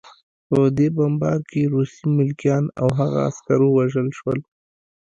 په دې بمبار کې روسي ملکیان او هغه عسکر ووژل شول